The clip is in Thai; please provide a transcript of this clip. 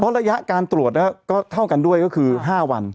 ระยะการตรวจก็เท่ากันด้วยก็คือ๕วัน